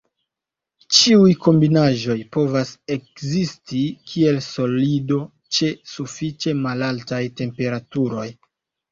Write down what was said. Ĉiuj kombinaĵoj povas ekzisti kiel solido, ĉe sufiĉe malaltaj temperaturoj.